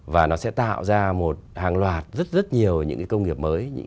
và nó sẽ tạo ra một hàng loạt rất rất nhiều những cái công nghiệp mới